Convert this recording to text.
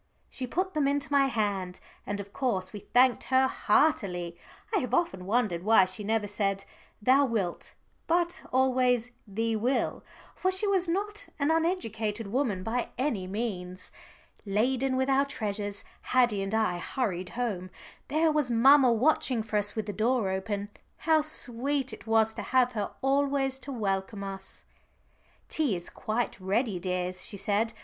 She put them into my hand, and of course we thanked her heartily. I have often wondered why she never said, "thou wilt," but always "thee will," for she was not an uneducated woman by any means. Laden with our treasures Haddie and I hurried home. There was mamma watching for us with the door open. How sweet it was to have her always to welcome us! "Tea is quite ready, dears," she said.